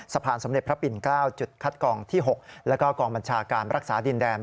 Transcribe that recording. สะพานสมเด็จพระปิ่น๙จุดคัดกองที่๖แล้วก็กองบัญชาการรักษาดินแดน